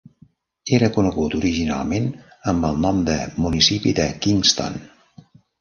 Era conegut originalment amb el nom de municipi de Kingston.